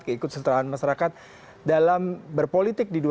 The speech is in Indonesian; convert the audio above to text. keikut sertaan masyarakat dalam berpolitik di dua ribu dua puluh